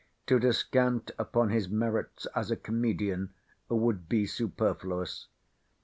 To descant upon his merits as a Comedian would be superfluous.